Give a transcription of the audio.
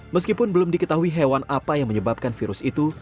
meskipun belum diketahui hewan apa yang menyebabkan virus itu